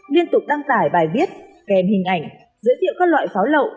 liên tục đăng tải bài viết kèm hình ảnh giới thiệu các loại pháo lậu